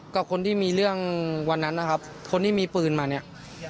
กับคนที่มีเรื่องวันนั้นนะครับคนที่มีปืนมาเนี่ย